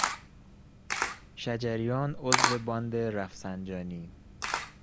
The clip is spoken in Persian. شجریان عضو باند رفسنجانی